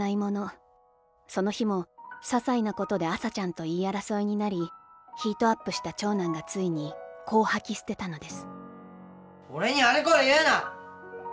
その日も些細なことで麻ちゃんと言い争いになりヒートアップした長男がついに、こう吐き捨てたのです」。